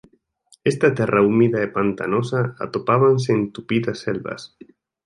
Esta terra húmida e pantanosa atopábanse en tupidas selvas.